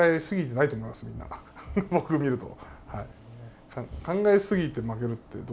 僕見ると。